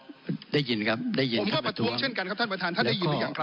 ได้ยินครับได้ยินครับท่านประท้วงผมก็ประท้วงเช่นกันครับท่านประทานถ้าได้ยินอย่างครับ